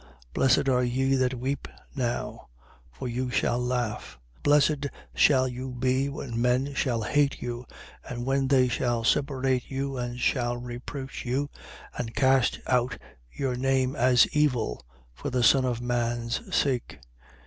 Blessed are ye that weep now: for you shall laugh. 6:22. Blessed shall you be when men shall hate you, and when they shall separate you and shall reproach you and cast out your name as evil, for the Son of man's sake.